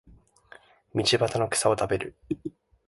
道端の草を食べる